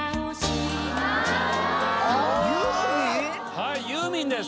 「はいユーミンです。